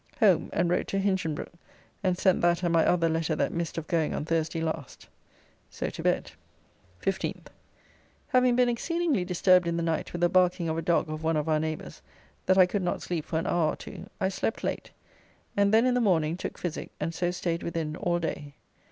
Home, and wrote to Hinchinbroke, and sent that and my other letter that missed of going on Thursday last. So to bed. 15th. Having been exceedingly disturbed in the night with the barking of a dog of one of our neighbours that I could not sleep for an hour or two, I slept late, and then in the morning took physic, and so staid within all day.